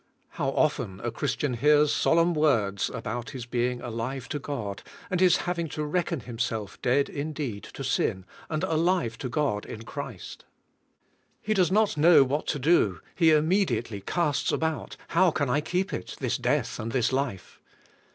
How often a Christian hears solemn words about his being alive to God, and his having to reckon himself dead indeed to sin, and alive to God in Christ! He does not know what to do; he immediately casts about: "How can I keep it, this death and this life?"